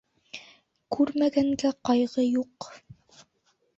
Күрмәгәнгә ҡайғы юҡ.